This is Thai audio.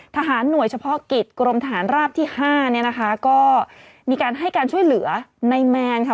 ทหารหน่วยเฉพาะกิจกรมทหารราบที่๕มีการให้การช่วยเหลือในแมนค่ะ